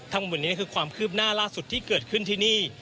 ทั้งหมดนี้คือความคืบหน้าล่าสุดที่เกิดขึ้นที่นี่